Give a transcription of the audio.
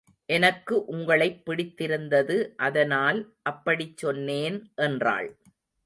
எனக்கு உங்களைப் பிடித்திருந்தது அதனால் அப்படிச் சொன்னேன் என்றாள்.